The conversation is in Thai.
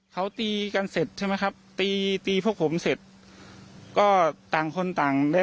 เขาตีกันเสร็จใช่ไหมครับตีตีพวกผมเสร็จก็ต่างคนต่างได้